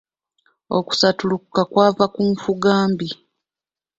Okusattulukuka kwava ku nfuga mbi.